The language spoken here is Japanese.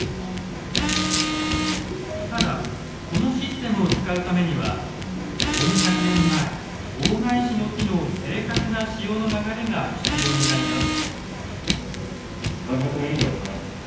ただこのシステムを使うためには４００年前大返しの日の正確な潮の流れが必要になります。